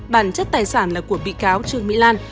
bản chất tài sản là của bị cáo trương mỹ lan